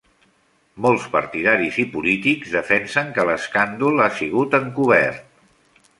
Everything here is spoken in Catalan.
Molts partidaris i polítics defensen que l'escàndol ha sigut encobert.